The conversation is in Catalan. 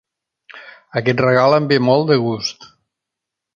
Aquest regal em ve molt de gust.